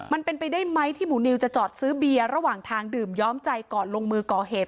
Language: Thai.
มันเป็นไปได้ไหมที่หมูนิวจะจอดซื้อเบียร์ระหว่างทางดื่มย้อมใจก่อนลงมือก่อเหตุ